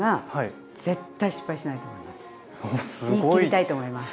すごい。言い切りたいと思います。